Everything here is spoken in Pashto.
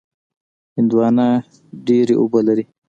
هندوانه ډېره اوبه لري.